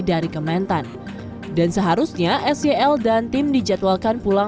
di kementerian pertanian kementerian pertanian dan kementerian pertanian